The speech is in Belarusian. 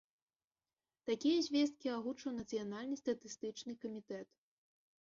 Такія звесткі агучыў нацыянальны статыстычны камітэт.